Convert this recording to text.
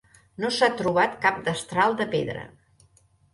No s'ha trobat cap destral de pedra.